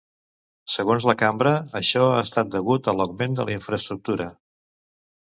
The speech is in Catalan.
Segons la Cambra, això ha estat degut a l'augment de la infraestructura.